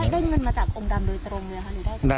ได้เงินมาจากองค์ดำโดยตรงเลยหรือได้จากองค์ดำ